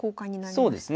そうですね。